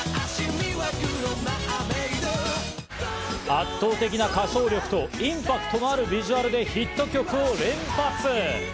圧倒的な歌唱力とインパクトのあるビジュアルでヒット曲を連発。